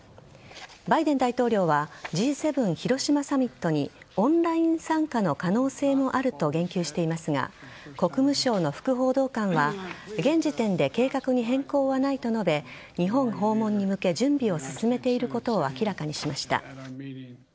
バイデン大統領はＧ７広島サミットにオンライン参加の可能性もあると言及していますが国務省の副報道官は現時点で計画に変更はないと述べ日本訪問に向け準備を進めていることを明らかにしました。